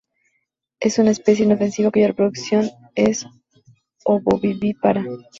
Es una especie inofensiva cuya reproducción es ovovivípara.